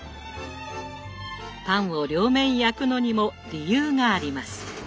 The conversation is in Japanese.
パンを両面焼くのにも理由があります。